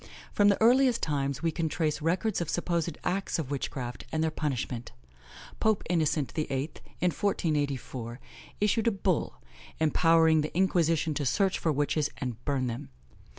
From the earliest times, we can trace records of supposed acts of witchcraft, and their punishment. Pope Innocent VIII., in 1484, issued a bull, empowering the Inquisition to search for witches and burn them.